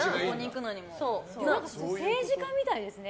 政治家みたいですね。